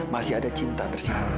masih ada cinta tersimpan buat kamu